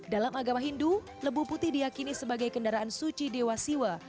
dalam agama hindu lembu putih diakini sebagai kendaraan suci dewa siwa